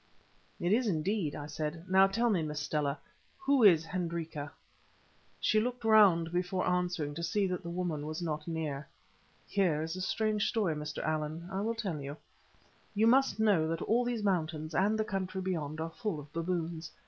"It is indeed," I said. "Now tell me, Miss Stella, who is Hendrika?" She looked round before answering to see that the woman was not near. "Hers is a strange story, Mr. Allan. I will tell you. You must know that all these mountains and the country beyond are full of baboons.